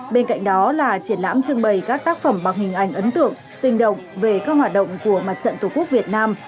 bên cạnh đó là triển lãm trưng bày các tác phẩm bằng hình ảnh ấn tượng sinh động về các hoạt động của mặt trận tổ quốc việt nam